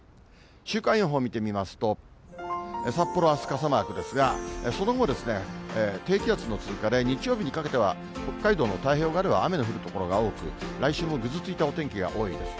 週間予報を見てみますと、札幌、あす傘マークですが、その後、低気圧の通過で、日曜日にかけては、北海道の太平洋側では雨の降る所が多く、来週もぐずついたお天気が多いです。